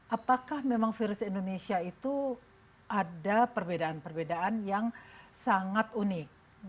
apakah memang virus indonesia itu ada perbedaan perbedaan yang sangat unik